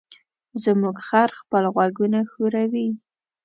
زموږ خر خپل غوږونه ښوروي.